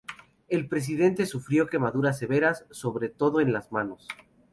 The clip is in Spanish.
El presidente sufrió quemaduras severas, sobre todo en las manos.